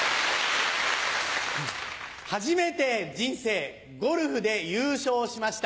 初めて人生ゴルフで優勝しました。